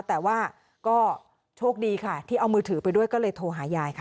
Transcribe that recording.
แต่ว่าก็โชคดีค่ะที่เอามือถือไปด้วยก็เลยโทรหายายค่ะ